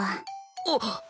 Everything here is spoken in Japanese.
あっ！